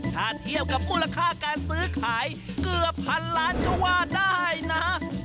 ถ้าเทียบกับมูลค่าการซื้อขายเกือบพันล้านก็ว่าได้นะ